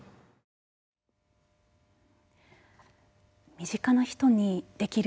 身近な人にできる